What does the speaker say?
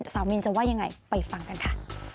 มินจะว่ายังไงไปฟังกันค่ะ